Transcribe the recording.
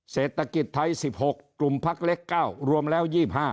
เศรษฐกิจไทย๑๖กลุ่มพักเล็ก๙รวมแล้ว๒๕